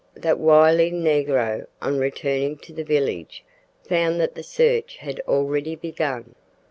That wily negro, on returning to the village, found that the search had already begun.